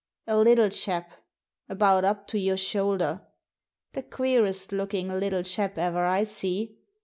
"A little chap, about up to your shoulder — ^the queerest looking little chap ever I see.